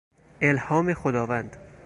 الهام خداوند